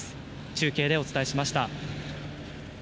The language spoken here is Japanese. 中継でお伝えしました。